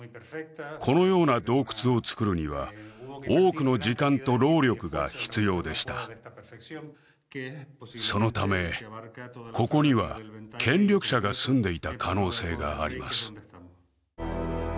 このような洞窟をつくるには多くの時間と労力が必要でしたそのためここには権力者が住んでいた可能性があります